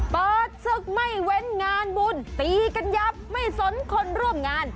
เปิดศึกไม่เว้นงานบุญตีกันยับไม่สนคนร่วมงาน